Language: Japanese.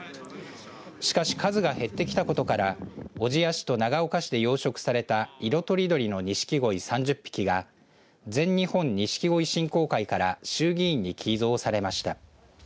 しかし数が減ってきたことから小千谷市と長岡市で養殖された色とりどりのにしきごい３０匹が全日本錦鯉振興会から衆議院に寄贈されました。